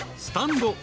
スタンド。